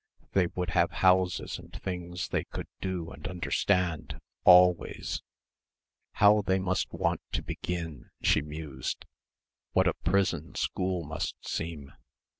They would have houses and things they could do and understand, always.... How they must want to begin, she mused.... What a prison school must seem.